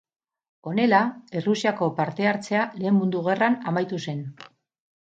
Honela, Errusiako parte-hartzea Lehen Mundu Gerran amaitu zen.